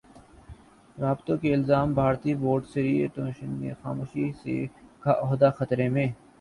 بکی سے رابطوں کا الزام بھارتی بورڈ سری نواسن سے ناخوش ئی سی سی چیئرمین کا عہدہ خطرے میں